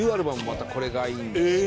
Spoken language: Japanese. またこれがいいんですよね。